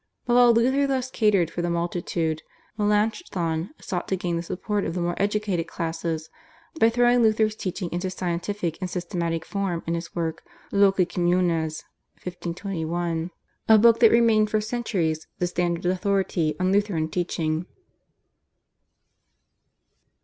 But while Luther thus catered for the multitude, Melanchthon sought to gain the support of the more educated classes by throwing Luther's teaching into scientific and systematic form in his work, /Loci Communes/ (1521), a book that remained for centuries the standard authority on Lutheran teaching.